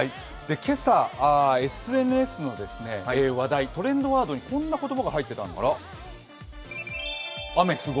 今朝、ＳＮＳの話題、トレンドワードにこんな言葉が入ってたんです。